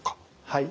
はい。